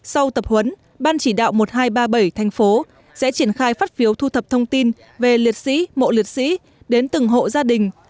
sau tập huấn ban chỉ đạo một nghìn hai trăm ba mươi bảy thành phố sẽ triển khai phát phiếu thu thập thông tin về liệt sĩ mộ liệt sĩ đến từng hộ gia đình